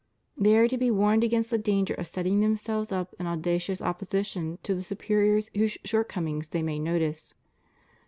They are to be warned against the danger of setting themselves up in audacious opposition to the superiors whose shortcomings they may notice.